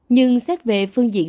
nhưng xét về phương diện